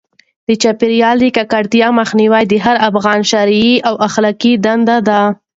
د چاپیریال د ککړتیا مخنیوی د هر افغان شرعي او اخلاقي دنده ده.